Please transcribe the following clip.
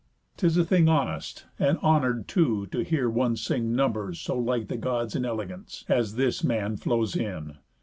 'Tis a thing Honest, and honour'd too, to hear one sing Numbers so like the Gods in elegance, As this man flows in.